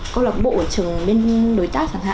cơ lộc bộ ở trường đối tác